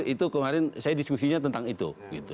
itu kemarin saya diskusinya tentang itu